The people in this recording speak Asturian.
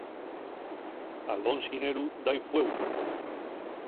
Al bon xineru da-y fueu.